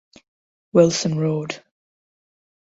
Wilson Road.